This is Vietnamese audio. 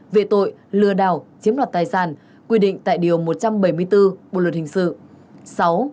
về tội lừa đảo chiếm đoạt tài sản quy định tại điều một trăm bảy mươi bốn bộ luật hình sự